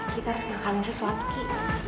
kita harus berkansi suapki